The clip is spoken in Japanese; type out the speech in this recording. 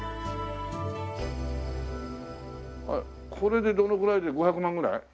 これでどのぐらい５００万ぐらい？